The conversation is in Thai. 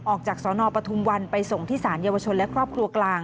สนปฐุมวันไปส่งที่สารเยาวชนและครอบครัวกลาง